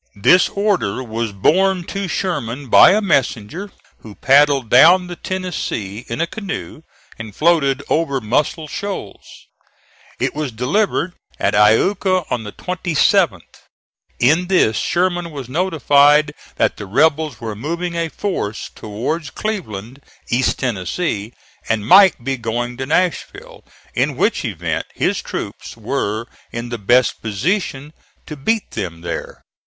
This order was borne to Sherman by a messenger, who paddled down the Tennessee in a canoe and floated over Muscle Shoals; it was delivered at Iuka on the 27th. In this Sherman was notified that the rebels were moving a force towards Cleveland, East Tennessee, and might be going to Nashville, in which event his troops were in the best position to beat them there.